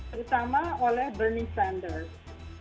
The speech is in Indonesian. terutama oleh bernie sanders